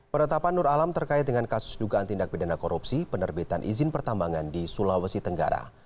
penetapan nur alam terkait dengan kasus dugaan tindak pidana korupsi penerbitan izin pertambangan di sulawesi tenggara